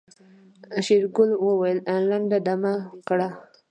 شېرګل وويل لنډه دمه کړه.